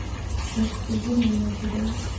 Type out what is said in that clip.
عشق د ژوند انرژي ده.